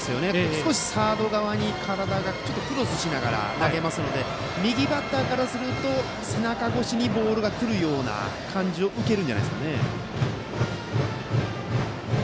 少しサード側に体がクロスしながら投げますので右バッターからすると背中越しにボールが来るような感じを受けるんじゃないですかね。